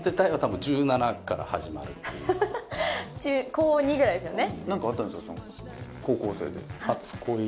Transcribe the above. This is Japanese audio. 高２ぐらいですよね。